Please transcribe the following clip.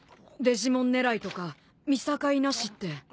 デジモン狙いとか見境なしって。